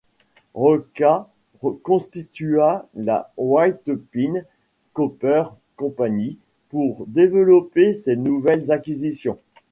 Requa constitua la White Pine Copper Company pour développer ses nouvelles acquisitions.